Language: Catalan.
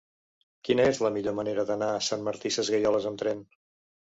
Quina és la millor manera d'anar a Sant Martí Sesgueioles amb tren?